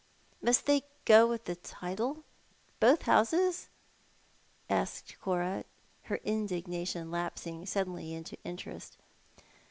" Must they go with the title — both houses ?" asked Cora, her indignation lapsing suddenly into interest.